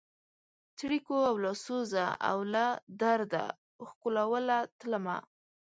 څړیکو له سوزه او له درده ښکلوله تلمه